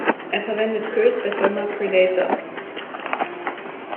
Er verwendet Queues der Firma "Predator".